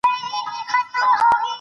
د مېلو خوند د ملګرو سره يي.